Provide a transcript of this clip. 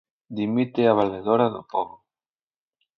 Dimite a valedora do pobo.